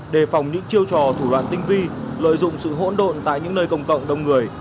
đề phòng những chiêu trò thủ đoạn tinh vi lợi dụng sự hỗn độn tại những nơi công cộng đông người